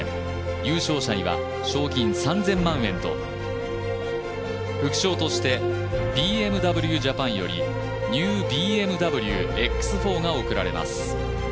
優勝者には、賞金３０００万円と副賞としてＢＭＷジャパンよりＮＥＷＢＭＷＸ４が贈られます。